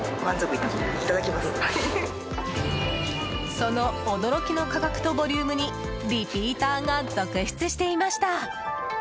その驚きの価格とボリュームにリピーターが続出していました。